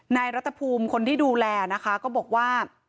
รัฐภูมิคนที่ดูแลนะคะก็บอกว่า